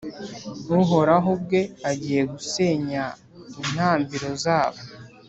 Uhoraho ubwe agiye gusenya intambiro zabo